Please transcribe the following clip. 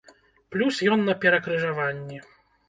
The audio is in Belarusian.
Плюс ён на перакрыжаванні.